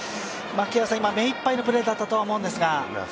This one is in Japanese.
今、めいっぱいのプレーだったとは思うんですが。